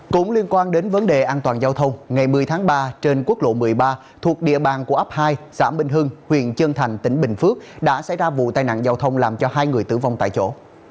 cũng liên quan đến vấn đề an toàn giao thông ngày một mươi tháng ba trên quốc lộ một mươi ba thuộc địa bàn của ấp hai xã bình hưng huyện trân thành tỉnh bình phước đã xảy ra vụ tai nạn giao thông làm cho hai người tử vong tại chỗ